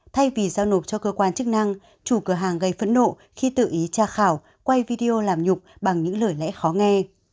thay vì giao nộp cho cơ quan chức năng chủ cửa hàng gây phẫn nộ khi tự ý tra khảo quay video làm nhục bằng những lời lẽ khó nghe